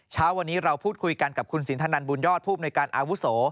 เช้าวันนี้เราพูดคุยกันกับคุณศิลป์ทางดันบุญยอดผู้บนการอาวุศว์